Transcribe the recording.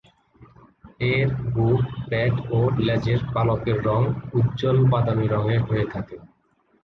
এর বুক, পেট ও লেজের পালকের রঙ উজ্জ্বল বাদামী রঙের হয়ে থাকে।